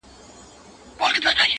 پوهېدل چي د منلو هر گز نه دي!!